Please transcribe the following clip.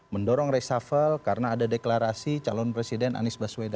mendorong reshuffle karena ada deklarasi calon presiden anies baswedan